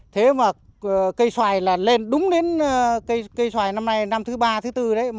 thế mà cây xoài là lên đúng đến cây xoài năm nay năm thứ ba thứ tư đấy